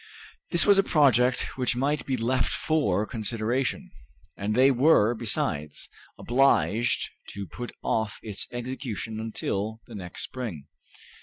This was a project which might be left for consideration, and they were, besides, obliged to put off its execution until the next spring.